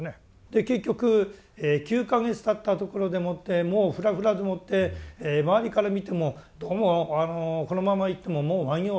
で結局９か月たったところでもってもうふらふらでもって周りから見てもどうもこのままいってももう満行はおぼつかないだろうって。